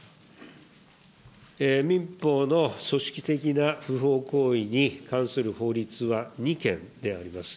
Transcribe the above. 民法の組織的な不法行為に関する法律は２件であります。